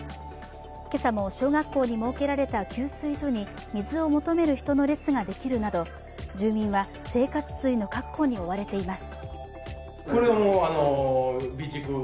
今朝も小学校に設けられた給水所に水を求める人の列ができるなど住民は生活水の確保に追われています。